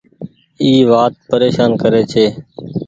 اي وآت پريشان ڪري ڇي۔